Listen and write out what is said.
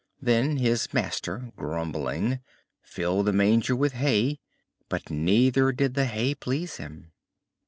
Then his master, grumbling, filled the manger with hay; but neither did the hay please him.